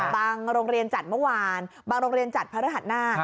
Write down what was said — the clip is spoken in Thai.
โรงเรียนจัดเมื่อวานบางโรงเรียนจัดพระรหัสหน้า